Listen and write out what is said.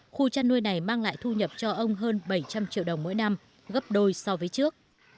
khu chăn nuôi này mang lại thu nhập cho ông hơn bảy trăm linh triệu đồng mỗi năm gấp đôi so với trước